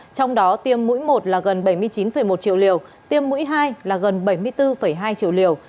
trong đó tiêm mũi một là gần bảy mươi chín một triệu liều tiêm mũi hai là gần bảy mươi bốn hai triệu liều